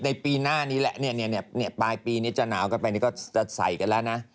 ในปีหน้านี้แหละเนี่ยปลายปีนี้จะหนาวกลับไปก็ใส่กันแล้วนะ